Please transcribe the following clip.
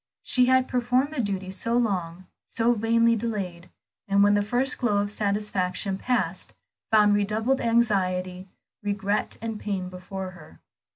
She had performed the duty so long, so vainly delayed, and when the first glow of satisfaction passed, found redoubled anxiety, regret, and pain before her.